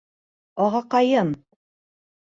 Ағаҡайым!